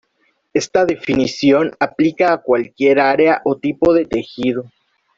Esta definición aplica a cualquier área o tipo de tejido.